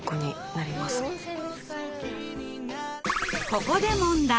ここで問題。